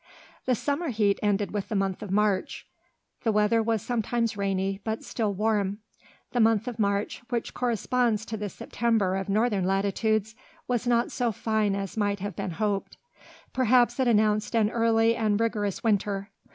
The summer heat ended with the month of March. The weather was sometimes rainy, but still warm. The month of March, which corresponds to the September of northern latitudes, was not so fine as might have been hoped. Perhaps it announced an early and rigorous winter.